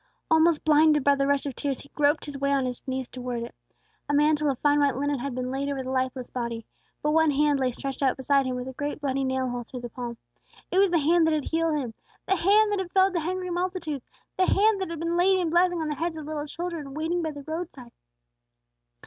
Almost blinded by the rush of tears, he groped his way on his knees toward it. A mantle of fine white linen had been laid over the lifeless body; but one hand lay stretched out beside Him with a great bloody nail hole through the palm, it was the hand that had healed him; the hand that had fed the hungry multitudes; the hand that had been laid in blessing on the heads of little children, waiting by the roadside!